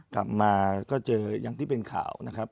กลับมาก็เจออย่างที่เป็นข่าวนะครับ